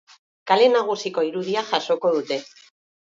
Kale nagusiko irudia jasoko dute.